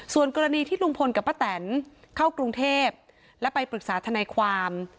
ส่วนกรณีที่ลุงพลกับป้าแตนเข้ากรุงเทพและไปปรึกษาทนายความ